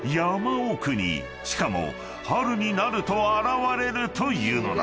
［しかも春になると現れるというのだ］